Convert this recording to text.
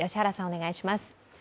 お願いします。